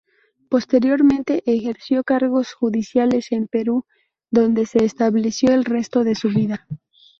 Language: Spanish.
Posteriormente ejerció cargos judiciales en Perú, donde se estableció el resto de su vida.